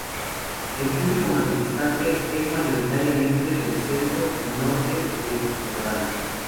El público manifestante es mayoritariamente del centro y norte del litoral.